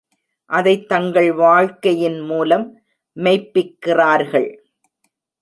அதைத் தங்கள் வாழ்க்கையின் மூலம் மெய்ப்பிக்கிறார்கள்.